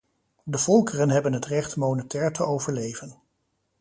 De volkeren hebben het recht monetair te overleven.